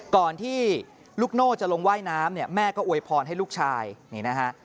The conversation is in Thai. ก่อนที่ลูกโน่จะลงว่ายน้ำเนี่ยแม่ก็อวยพรให้ลูกชายนี่นะฮะ